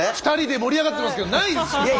２人で盛り上がってますけどないですよ！